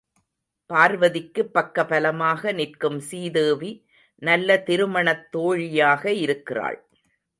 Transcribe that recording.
பார்வதிக்குப் பக்கபலமாக நிற்கும் சீதேவி நல்ல திருமணத் தோழியாக இருக்கிறாள்.